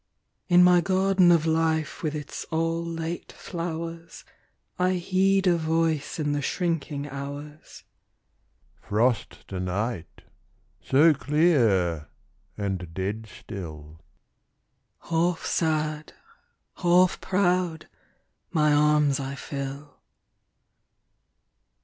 .... .In my garden of Life with its all late flowersI heed a Voice in the shrinking hours:"Frost to night—so clear and dead still" …Half sad, half proud, my arms I fill.